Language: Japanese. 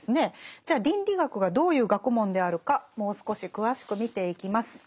じゃあ倫理学がどういう学問であるかもう少し詳しく見ていきます。